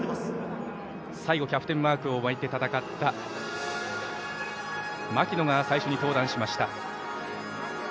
最後、キャプテンマークを巻いて戦った槙野が最初に登壇しました。